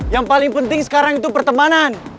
yang paling penting sekarang itu pertemanan